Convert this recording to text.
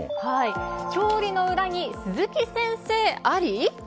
勝利の裏に鈴木先生あり？